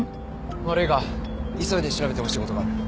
悪いが急いで調べてほしいことがある。